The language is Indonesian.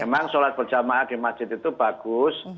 emang sholat berjamaah di masjid itu bagus